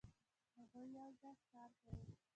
هغوی یو ځای ښکار کاوه.